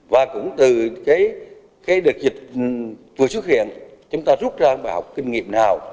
và cũng từ cái đợt dịch vừa xuất hiện chúng ta rút ra bài học kinh nghiệm nào